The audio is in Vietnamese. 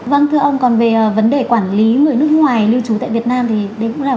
vâng thưa ông còn về vấn đề quản lý người nước ngoài lưu trú tại việt nam thì đấy cũng là